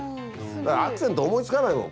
アクセント思いつかないもん